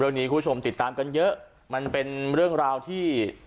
คุณผู้ชมติดตามกันเยอะมันเป็นเรื่องราวที่